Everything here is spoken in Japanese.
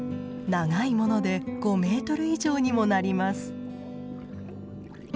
長いもので５メートル以上にもなります。